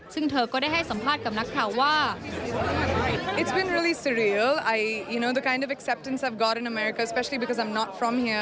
ซึ่งเธอก็ได้ให้สัมภาษณ์กับนักข่าวว่า